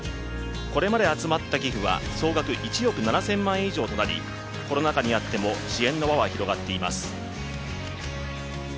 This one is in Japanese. これまで集まった寄付は総額１億７０００万円以上となりコロナ禍にあっても支援の輪は広がっています。